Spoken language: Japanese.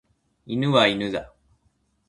犬は犬だ。